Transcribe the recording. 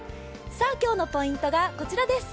今日のポイントがこちらです。